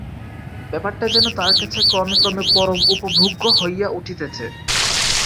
ব্যাপারটা যেন তার কাছে ক্রমে ক্রমে পরম উপভোগ্য হইয়া উঠিতেছে।